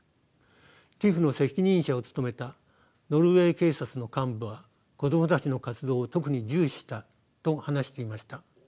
ＴＩＰＨの責任者を務めたノルウェー警察の幹部は子供たちの活動を特に重視したと話していました。